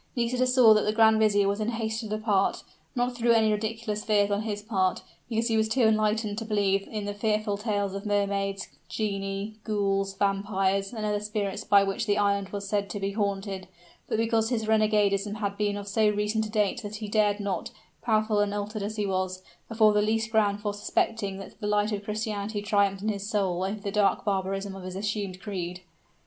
Nisida saw that the grand vizier was in haste to depart, not through any ridiculous fears on his part, because he was too enlightened to believe in the fearful tales of mermaids, genii, ghouls, vampires, and other evil spirits by which the island was said to be haunted, but because his renegadism had been of so recent a date that he dared not, powerful and altered as he was, afford the least ground for suspecting that the light of Christianity triumphed in his soul over the dark barbarism of his assumed creed.